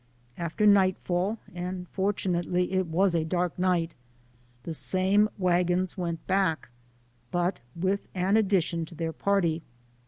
After nightfall (and fortunately it was a dark night) the same wagons went back, but with an addition to their party.